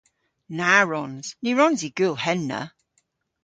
Na wrons! Ny wrons i gul henna.